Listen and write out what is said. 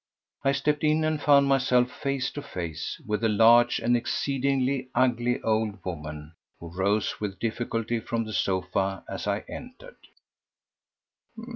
I stepped in and found myself face to face with a large and exceedingly ugly old woman who rose with difficulty from the sofa as I entered.